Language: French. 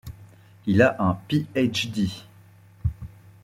Il a un Ph.D.